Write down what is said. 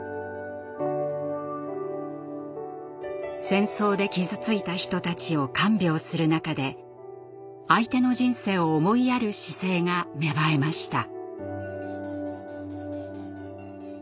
戦争で傷ついた人たちを看病する中で相手の人生を思いやる姿勢が芽生えました。